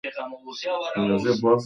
آس د کوهي د خولې په لور روان و.